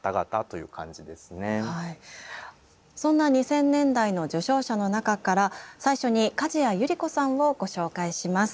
そんな２０００年代の受賞者の中から最初に加治屋百合子さんをご紹介します。